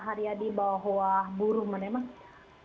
haryadi bahwa buruh menemang